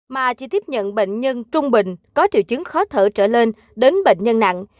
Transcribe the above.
mà chỉ tiếp nhận bệnh nhân trung bình có triệu chứng khó thở trở lên đến bệnh nhân nặng